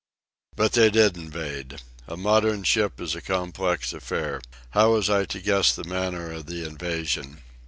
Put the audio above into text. But they did invade. A modern ship is a complex affair. How was I to guess the manner of the invasion?